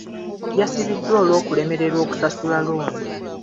Yasibiddwa olw'okulemererwa okusasula looni.